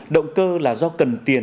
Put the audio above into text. động cơ là do cần tiền